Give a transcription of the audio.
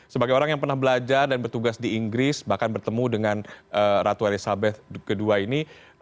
sebagai orang yang pernah belajar dan bertugas di inggris bahkan bertemu dengan ratu elizabeth ii ini